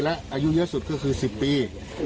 และอายุเยอะสุดก็คือ๑๐ปี